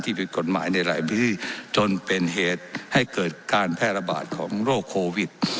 ผิดกฎหมายในหลายพื้นที่จนเป็นเหตุให้เกิดการแพร่ระบาดของโรคโควิด